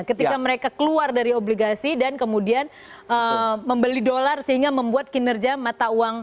ketika mereka keluar dari obligasi dan kemudian membeli dolar sehingga membuat kinerja mata uang